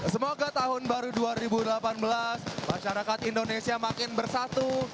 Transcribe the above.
semoga tahun baru dua ribu delapan belas masyarakat indonesia makin bersatu